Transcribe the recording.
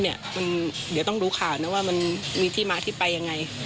เดี๋ยวต้องดูข่าวนะว่ามันมีที่มาที่ไปยังไง